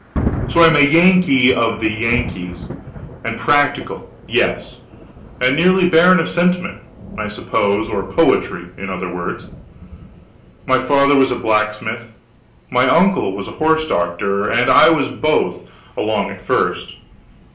So I am a Yankee of the Yankees and practical; yes, and nearly barren of sentiment, I suppose or poetry, in other words. My father was a blacksmith, my uncle was a horse doctor, and I was both, along at first.